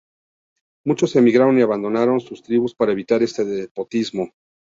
Muchos emigraron y abandonaron sus tribus para evitar este despotismo.